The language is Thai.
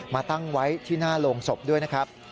มาตั้งไว้ที่หน้าโรงศพด้วยนะครับ